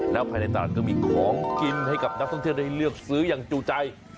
แล้วภายในตลาดก็มีของกินให้กับนักท่องเที่ยวได้เลือกซื้ออย่างจูใจ